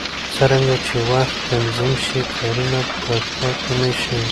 څرنګه چې وخت تنظیم شي، کارونه به پاتې نه شي.